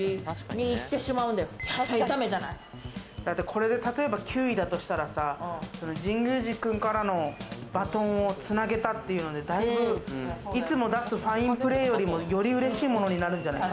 これで例えば９位だとしたらさ、神宮寺君からのバトンをつなげたっていうので、だいぶいつも出すファインプレーよりも、より嬉しいものになるんじゃない？